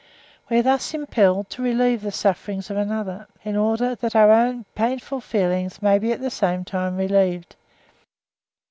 We are thus impelled to relieve the sufferings of another, in order that our own painful feelings may be at the same time relieved.